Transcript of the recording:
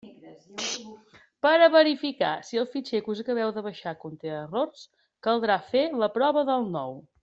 Per a verificar si el fitxer que us acabeu de baixar conté errors, caldrà “fer la prova del nou”.